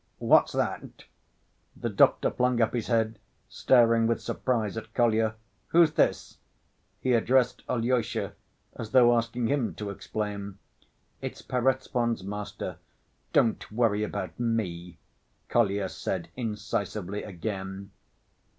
"What's that?" The doctor flung up his head, staring with surprise at Kolya. "Who's this?" he addressed Alyosha, as though asking him to explain. "It's Perezvon's master, don't worry about me," Kolya said incisively again.